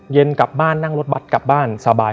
เย็นกลับบ้านนั่งรถบัตรกลับบ้านสบาย